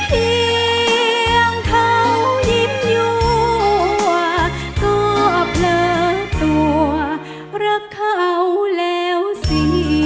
เพียงเขาหยิบยั่วก็เผลอตัวรักเขาแล้วสิ